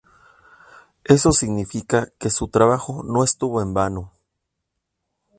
Eso significa que su trabajo no estuvo en vano.